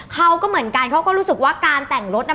เขาก็เหมือนกันเขาก็รู้สึกว่าการแต่งรถน่ะ